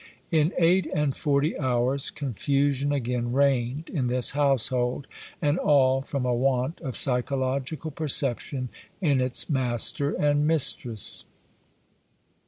In eight and forty hours confusion again reigned in this household, and all from a want of psychological perception in its master and mistress.